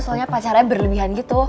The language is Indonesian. soalnya pacarnya berlebihan gitu